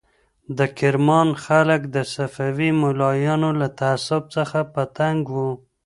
د کرمان خلک د صفوي ملایانو له تعصب څخه په تنګ وو.